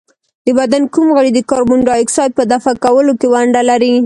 د بدن کوم غړی د کاربن ډای اکساید په دفع کولو کې ونډه لري؟